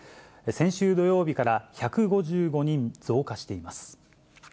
先週土曜日から１５５人増加しています。